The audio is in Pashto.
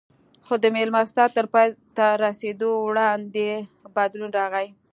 خو د مېلمستیا تر پای ته رسېدو وړاندې بدلون راغی